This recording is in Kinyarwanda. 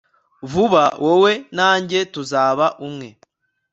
vuba wowe na njye tuzaba umwe